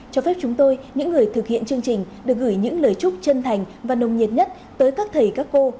cho phép chúng tôi những người thực hiện chương trình được gửi những lời chúc chân thành và nồng nhiệt nhất tới các thầy các cô